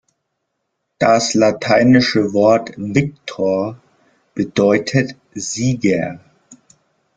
Das lateinische Wort "victor" bedeutet „Sieger“.